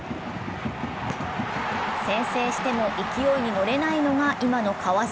先制しても勢いに乗れないのが今の川崎。